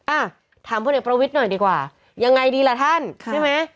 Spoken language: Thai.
อ่ะถามพลเอกประวิทย์หน่อยดีกว่ายังไงดีล่ะท่านค่ะใช่ไหม